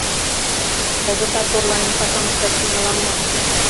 — Кызытак орланен пашам ышташ тӱҥалам мо?